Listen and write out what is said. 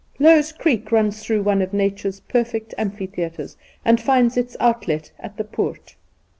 Low's Creek runs through one of Nature's perfect amphitheatres and finds its outlet at the Poort.